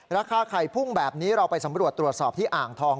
ราคาไข่พุ่งแบบนี้เราไปสำรวจตรวจสอบที่อ่างทอง